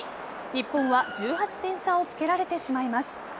日本は１８点差をつけられてしまいます。